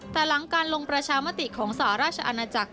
แต่หลังการลงประชามติของสหราชอาณาจักร